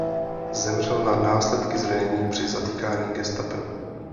Zemřel na následky zranění při zatýkání gestapem.